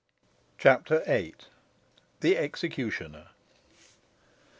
CHAPTER VIII. THE EXECUTIONER.